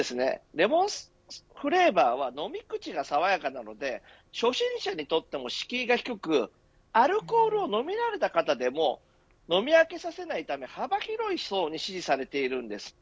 レモンフレーバーは飲み口が爽やかなので初心者にとっても敷居が低くアルコールを飲み慣れた方でも飲み飽きさせないため幅広い層に支持されているんです。